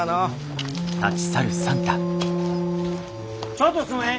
ちょっとすんまへん。